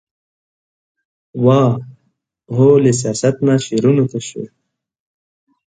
واه ! هو له سياست نه شعرونو ته شوې ،